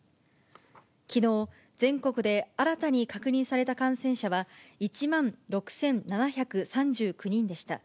きのう、全国で新たに確認された感染者は１万６７３９人でした。